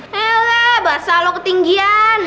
hele basah lo ketinggian